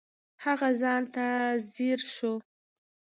هغه ځان ته ځیر شو.